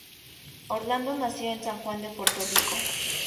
Orlando nació en San Juan de Puerto Rico.